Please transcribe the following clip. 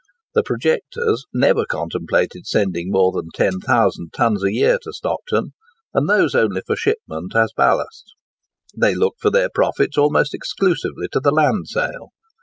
The projectors never contemplated sending more than 10,000 tons a year to Stockton, and those only for shipment as ballast; they looked for their profits almost exclusively to the land sale.